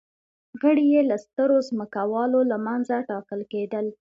غړي یې له سترو ځمکوالو له منځه ټاکل کېدل